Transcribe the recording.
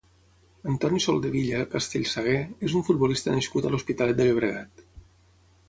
Antoni Soldevilla Castellsagué és un futbolista nascut a l'Hospitalet de Llobregat.